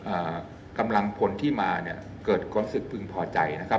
อ่ากำลังพลที่มาเนี่ยเกิดความรู้สึกพึงพอใจนะครับ